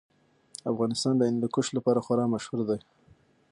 افغانستان د هندوکش لپاره خورا مشهور دی.